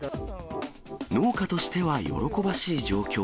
農家としては喜ばしい状況。